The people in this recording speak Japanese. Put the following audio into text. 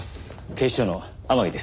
警視庁の天樹です。